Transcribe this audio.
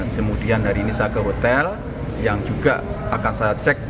kemudian dari nisa ke hotel yang juga akan saya cek